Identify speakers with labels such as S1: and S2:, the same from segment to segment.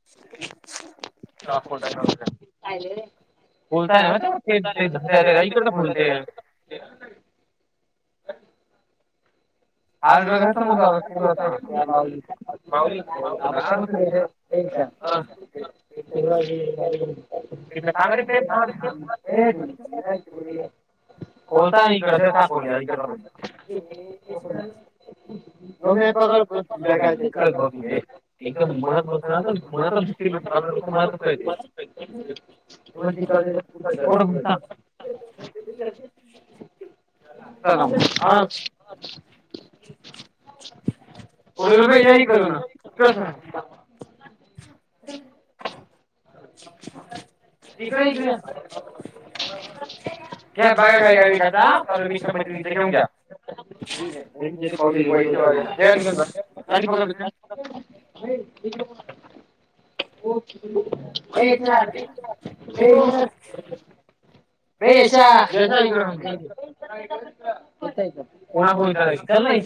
S1: [inaudible]
S2: [unintelligible] [unintelligible] [unintelligible] [unintelligible] हे. [unintelligible] [unintelligible]
S1: कुट आहेस.
S2: मस एकदम मनात बस ना मनात. [unintelligible] लोक. [unintelligible] म्हज का. [unintelligible] चला हा. [unintelligible] कुठे गेला ग याईकड. [unintelligible]
S1: [unintelligible] इकडे इकडे या. का बाघा काय काचा मैत्रिणीचा, घ्या तच घेऊन घ्या. [unintelligible]
S2: खेळत घ्यायचा. [unintelligible] हो. [unintelligible] चार. [unintelligible] अ यशा यशा. [unintelligible] कोणाक विचार त्याला नाही. [unintelligible]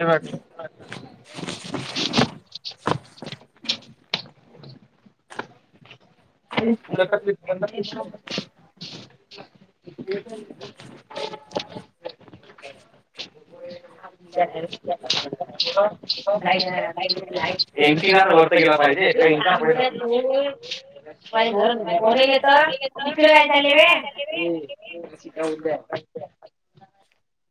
S2: हा का ना. [unintelligible] [unintelligible] [inaudible] [unintelligible] [unintelligible] [unintelligible] कुठे गेला पाहिजे कोणी येतंय.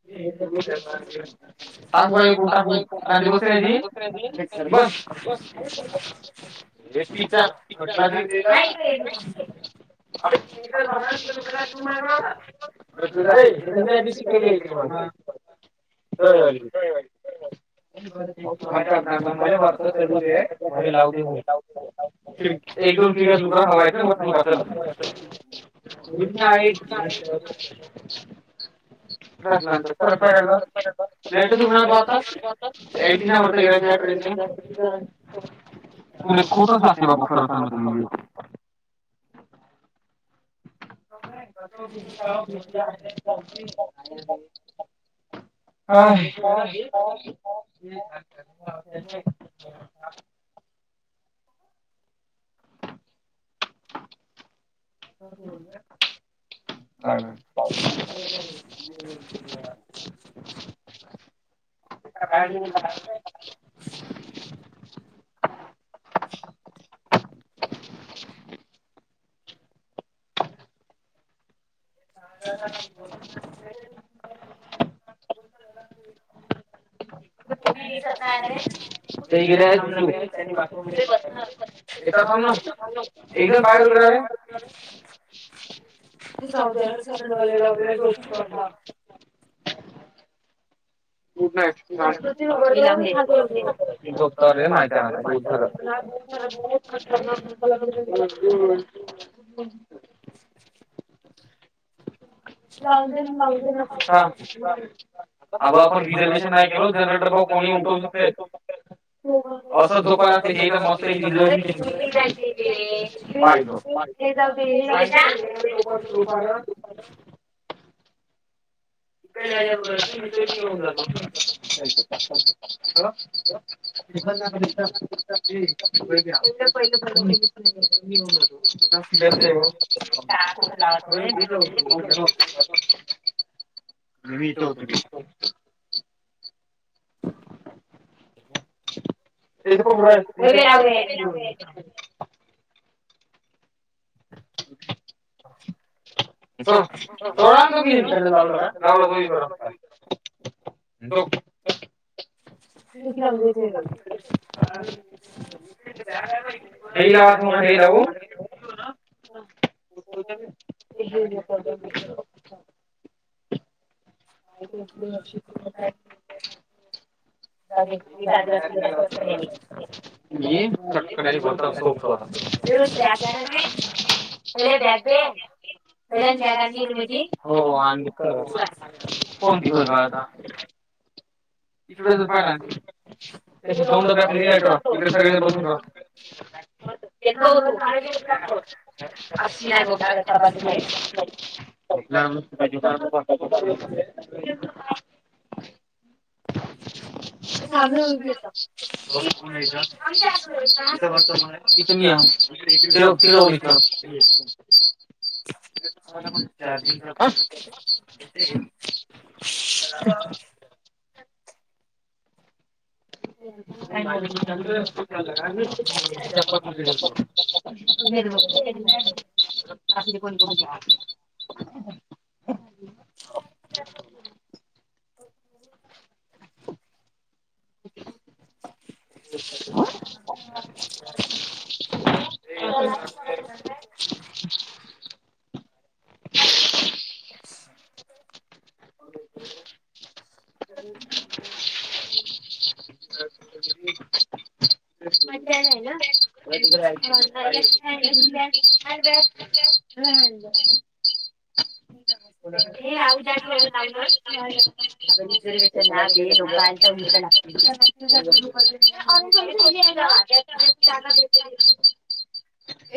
S2: [unintelligible] [unintelligible] [unintelligible] बस. [unintelligible] [unintelligible] ए त्यादिवशी केले. [unintelligible] [unintelligible] [unintelligible] [unintelligible] [unintelligible] तुला खोटच लागते बाबा खरं [unintelligible] [unintelligible] [unintelligible]
S1: [inaudible] [unintelligible] काय नाही [unintelligible]
S2: [inaudible]
S1: [inaudible]
S2: [unintelligible] इथ थांब ना एक जन बाहेर उतरा रे. जाऊ द्या [unintelligible] [unintelligible] [unintelligible] [unintelligible] अग आपण रिझर्वेशन नाही केलो जनरल डबा कोणी उमटू शक [unintelligible] ते जाऊ दे [unintelligible] कोणीतरी येऊन जातो. [unintelligible] [unintelligible] मी इथ होतो की.
S1: [inaudible]
S2: इथ पडून राहिल इथ लाव ये.
S1: [inaudible]
S2: [unintelligible] झोप खिडकी लावून देत नाही मी.
S1: हे [unintelligible] हे लावू?
S2: [unintelligible] [unintelligible] [unintelligible] [unintelligible] त्याला बॅग दे. [unintelligible] हो हो आणली क [unintelligible] [unintelligible] इथं सगळेच बसून खा. [unintelligible] [unintelligible] [inaudible] ये थांबणं उभी आता बघू कोण आहे इथ इथ बसता नव्हें इथ मी हाव तिकड कोण [unintelligible] चारजिंगच पण [unintelligible] खात्री कोणी करून घ्या [inaudible] [unintelligible]
S1: जाताय [unintelligible]
S2: [unintelligible]
S1: [unintelligible]
S2: [unintelligible] आणल्यास नाही आणलं ये राहूद्या [unintelligible] तुझ बी नंबर देते आर्रेज वाली ढोली हाय न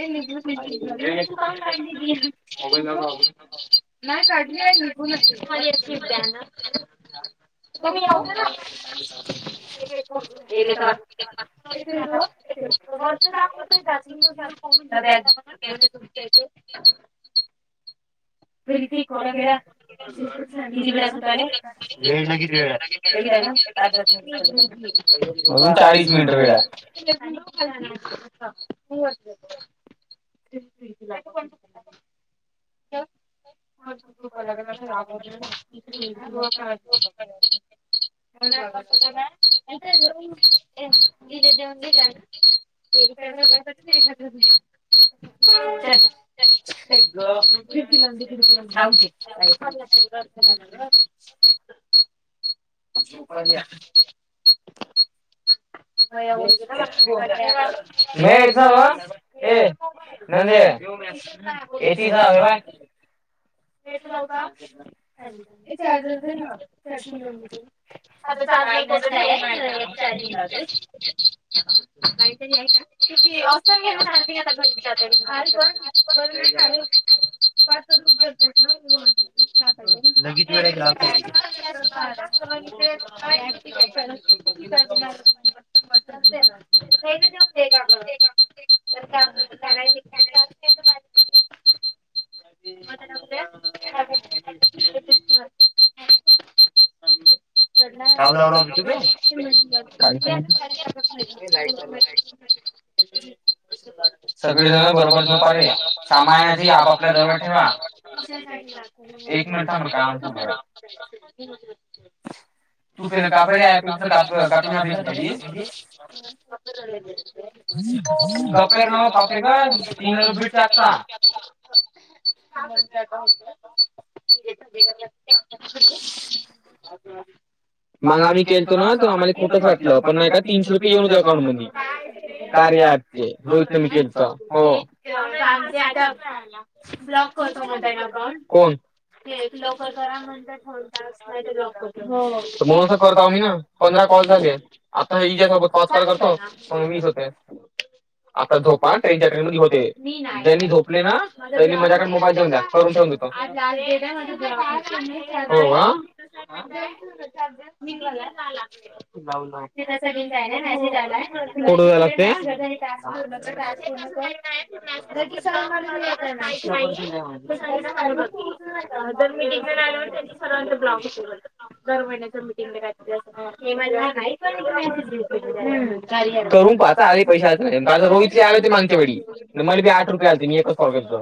S2: ऐ मोबाईल लावलो नाही काढली हाय मी बोला की मला एक सीट दया ना
S1: तुम्ही हे होते ना गेले तवा
S2: वरच दाखवतंय चार्जिंग [unintelligible] तुमच्याइथे हे रितिक फोड्या गेल्या किती वेळ होत आले वेळ ना किती वेेळ आहे ना अच्छा अच्छा अच्छा अच्छा अजून चाळीस मिनिट वेळ हाय मला नाही ते फ्री वाटते [unintelligible] कुणाला [unintelligible] चल ग खिडकी लावून दे [unintelligible] झोप आल्या [unintelligible] [unintelligible] ये चार्जर दे न मला चार्जिंग लाऊन घेते आता चार्जिंग माझ काहीच नाहीये चार्जिंग लावते काही तरी हाय का आव संग ह्यांन चार्जिंग आता गड्यात काल पण आज शाळेत पाच रुपय होतात ना ग माझे [unintelligible] [unintelligible] [unintelligible] [unintelligible] [unintelligible] [unintelligible] [unintelligible] सगळीजण बरोबर नंबर घ्या, सामान आदी आपापल्या जवळ ठेवा. एक मिनटं, मी काम [unintelligible] [unintelligible] [unintelligible] [unintelligible] मला भी केलतो ना, तेव्हा आम्हालाही खोटंच वाटलं, पण नाय का तीनशे रुपये येउन होते अकाउंटमंदी कार्या ॲपचे, जो तुम्ही केलता, हो
S1: ब्लॉक करतो मग
S2: कोण? नाय त ब्लॉक करतो म्हणे, हो, भाऊ असं करतो आम्ही ना, पंधरा कॉल झाले, आता हे हिच्या सोबत पाच कॉल करतो सव्वीस होते आता झोपा ट्रेन च्याटलमध्ये होते, मी नाय, ज्यांनी झोपले ना, त्यांनी मजाकडे म [unintelligible] करून ठेऊन देतो, हा चालेल, हो आ [unintelligible]
S1: ते सेटिंग काय नाय, माझी जागा हाय [unintelligible] कुणाचं?
S2: [unintelligible] च्यावर नंबर लावला होता यंदा [unintelligible] [unintelligible] दर महिन्याच्या मिटिंगमध्ये काहीतरी असं [unintelligible] हंम, कार्या ऍप, करून टाका अरे पैसे असल्यानं, काल रोहितचे आले होते मानकेवाडी न मल बी आठ रुपये आलते, मी एकच कॉल केलतो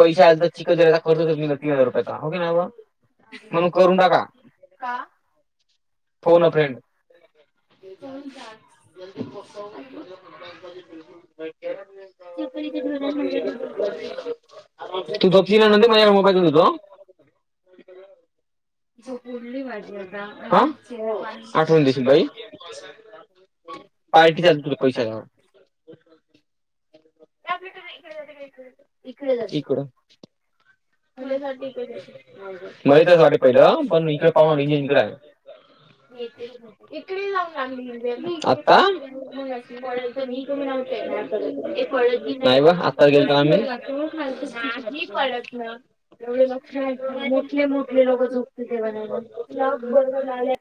S2: पैसे आल तर, चिक दिराडा खर्च तर निघल तीन हजार रुपयाचा, हो की नाय बुआ म्हणून करून टाका, का? फोन अ फ्रेंड [unintelligible] तू झोपशील [unintelligible] मोबाईल घेऊन देतो हं [unintelligible] झोप मोडली माझी आता, आ आठवण देसी बाई पार्टी दयाल तुम्ही पैसे आल्यावर [unintelligible] इकडं जाती का इकडं, इकडं जाती, इकडं तूला असं वाटते [unintelligible] मला तेच वाट पहिलं, पण इकडे पाऊन इंजिन इकडं आहे [unintelligible] इकडे लाऊन लागली ईजनं [unintelligible] आता [unintelligible] पळत बी नाय, [unintelligible] नाय व आत्ता गेल्तो ना मी, नाही पडत ना एवढं लक्ष मोपले मोपले लोकं झोपतील तेंव्हा ना, लॉक बरोबर लावल्या